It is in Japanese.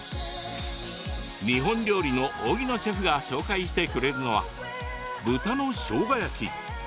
日本料理の荻野シェフが紹介してくれるのは豚のしょうが焼き。